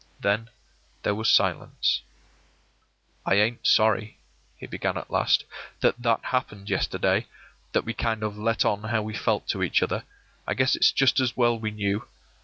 Then there was a silence. “I ain't sorry,” he began at last, “that that happened yesterday — that we kind of let on how we felt to each other. I guess it's just as well we knew.